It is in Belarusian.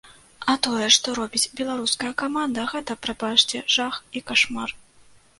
А тое, што робіць беларуская каманда, гэта, прабачце, жах і кашмар.